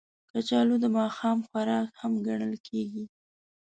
کچالو د ماښام خوراک هم ګڼل کېږي